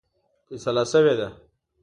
فیصله شوې ده.